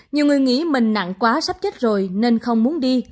nhiều người nghĩ mình nặng quá sắp chết rồi nên không muốn đi